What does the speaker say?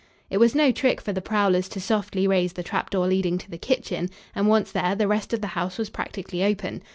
It was no trick for the prowlers to softly raise the trap door leading to the kitchen, and, once there, the rest of the house was practically open.